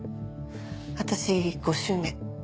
私５周目。